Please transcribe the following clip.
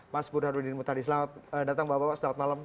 mas burhanuddin mutadi selamat datang bapak bapak selamat malam